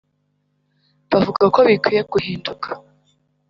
bakavuga ko bikwiye guhinduka